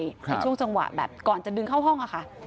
ในช่วงจังหวะแบบก่อนจะดึงเข้าห้องอะค่ะ